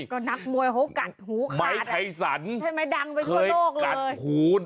ก็นักมวยเขากัดหูขาดใช่ไหมดังไปทั่วโลกเลยไม้ไทยสรรเคยกัดหู